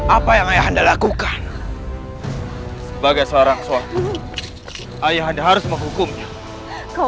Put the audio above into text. apa yang ayah anda lakukan sebagai seorang suami ayah anda harus menghukumnya kau